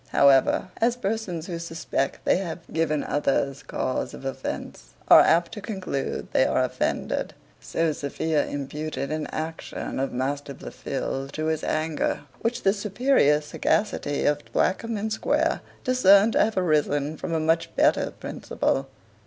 However, as persons who suspect they have given others cause of offence, are apt to conclude they are offended; so Sophia imputed an action of Master Blifil to his anger, which the superior sagacity of Thwackum and Square discerned to have arisen from a much better principle.